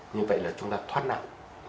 như vậy là chúng ta thoát não